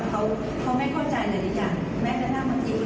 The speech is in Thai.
เขาไม่เข้าใจในอีกอย่างแม้กระทั่งมันอีก